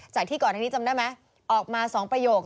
ที่ก่อนอันนี้จำได้ไหมออกมา๒ประโยค